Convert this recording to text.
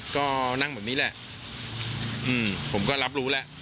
ก็นั่งเหมือนนี้แหละผมก็รับรู้แหละ